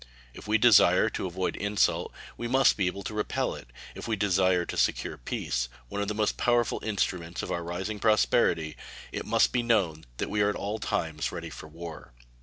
If we desire to avoid insult, we must be able to repel it; if we desire to secure peace, one of the most powerful instruments of our rising prosperity, it must be known that we are at all times ready for war.